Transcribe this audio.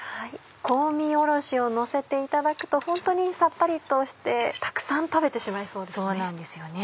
香味おろしをのせていただくとホントにさっぱりとしてたくさん食べてしまいそうですね。